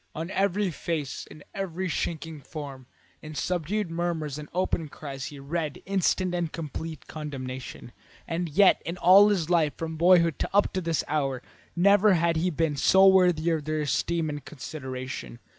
On every face, in every shrinking form, in subdued murmurs and open cries, he read instant and complete condemnation, and yet in all his life from boyhood up to this hour, never had he been so worthy of their esteem and consideration.